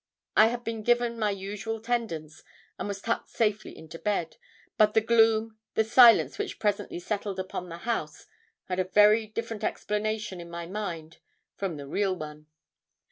I had been given my usual tendance and was tucked safely into bed; but the gloom, the silence which presently settled upon the house had a very different explanation in my mind from the real one.